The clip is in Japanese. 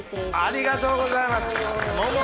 ありがとうございます。